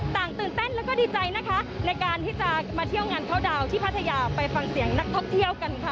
ตื่นเต้นแล้วก็ดีใจนะคะในการที่จะมาเที่ยวงานเข้าดาวน์ที่พัทยาไปฟังเสียงนักท่องเที่ยวกันค่ะ